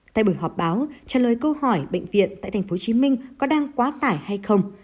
tại buổi họp báo trả lời câu hỏi bệnh viện tại tp hcm có đang quá tải hay không